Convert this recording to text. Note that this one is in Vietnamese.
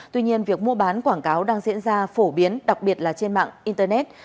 tuy nhiên việc mua bán quảng cáo đang diễn ra phổ biến đặc biệt là trên mạng internet